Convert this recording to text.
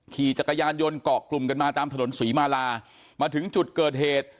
ขี่จักรยานยนต์เกาะกลุ่มกันมาตามถนนศรีมาลามาถึงจุดเกิดเหตุ